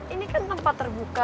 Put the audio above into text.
ini kan tempat terbuka